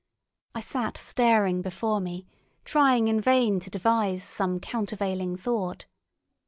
I sat staring before me, trying in vain to devise some countervailing thought.